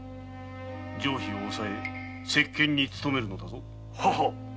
冗費を抑え節倹に努めるのだぞ。